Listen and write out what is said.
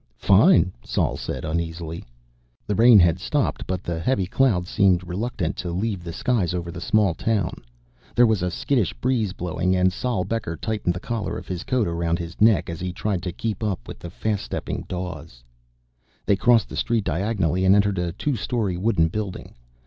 "Fine," Sol said uneasily. The rain had stopped, but the heavy clouds seemed reluctant to leave the skies over the small town. There was a skittish breeze blowing, and Sol Becker tightened the collar of his coat around his neck as he tried to keep up with the fast stepping Dawes. They crossed the street diagonally, and entered a two story wooden building.